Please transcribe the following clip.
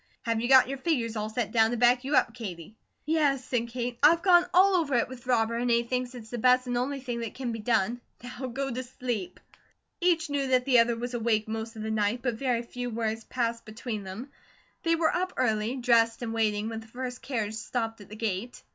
Have you got your figures all set down, to back you up, Katie?" "Yes," said Kate. "I've gone all over it with Robert, and he thinks it's the best and only thing that can be done. Now go to sleep." Each knew that the other was awake most of the night, but very few words passed between them. They were up early, dressed, and waiting when the first carriage stopped at the gate.